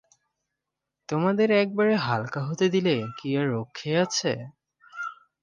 তোমাদের একেবারে হালকা হতে দিলে কি আর রক্ষা আছে!